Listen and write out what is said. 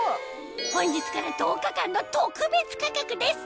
本日から１０日間の特別価格です